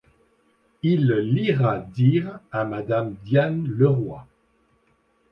Il l’ira dire à madame Diane Le Roi.